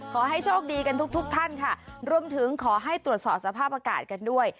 ขอให้โชคดีกันทุกทุกท่านค่ะรวมถึงขอให้ตรวจสอบสภาพอากาศกันด้วย